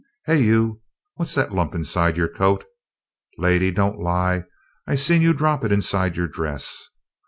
Hey, you, what's that lump inside your coat? Lady, don't lie. I seen you drop it inside your dress.